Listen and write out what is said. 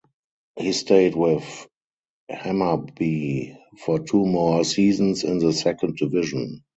He stayed with Hammarby for two more seasons in the second division.